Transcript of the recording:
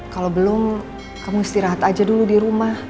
kalau belum kamu istirahat aja dulu di rumah